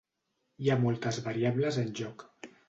Hi ha moltes variables en joc.